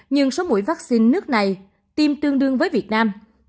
nhưng số mũi vaccine nước này tiêm tương đương với việt nam